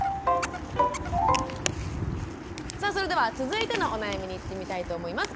さあそれでは続いてのお悩みにいってみたいと思います。